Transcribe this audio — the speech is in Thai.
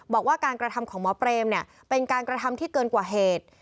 บอกว่าการกระทำของหมอเปรมเนี่ยเป็นการกระทำที่เกินกว่าเหตุ